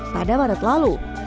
pada maret lalu